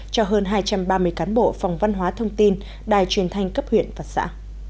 cho hơn hai trăm ba mươi cán bộ phòng văn hóa thông tin đài truyền thanh cấp huyện và xã